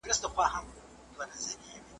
راز د میني دي رسوادئ، له اغیاره ګوندي راسې.